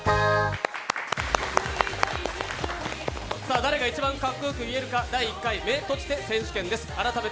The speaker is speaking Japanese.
誰が一番かっこよく言えるか第１回「目閉じて？」